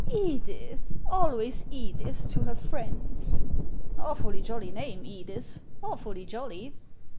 " Edith— always Edith to her friends. * Awfully jolly name, Edith ; awfully jolly.